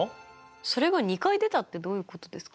それが２回出たってどういうことですか？